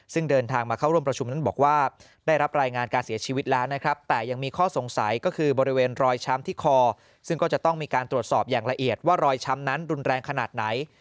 ซึ่งเดินทางมาเข้าร่วมประชุมนั้นบอกว่าได้รับรายงานการเสียชีวิตแล้วนะครับแต่ยังมีข้อสงสัยก็คือบริเวณรอยช้ำที่คอซึ่งก็จะต้องมีการตรวจสอบอย่างละเอียดว่ารอยช้ำนั้นรุนแรงขนาดไหน